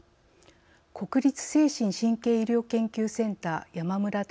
国立精神・神経医療研究センター山村隆